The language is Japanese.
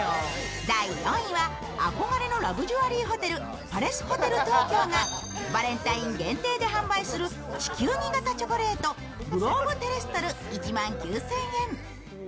第４位は憧れのラグジュアリーホテル、パレスホテル東京がバレンタイン限定で販売する地球儀型チョコレート、グローブテレストル１万９０００円。